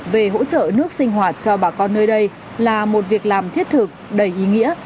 về hỗ trợ nước sinh hoạt cho bà con nơi đây là một việc làm thiết thực đầy ý nghĩa